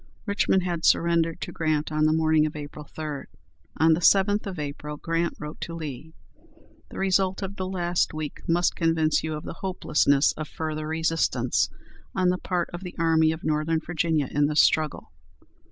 Richmond had surrendered to Grant on the morning of April 3. On the 7th of April Grant wrote to Lee, "The result of the last week must convince you of the hopelessness of further resistance on the part of the Army of Northern Virginia in this struggle.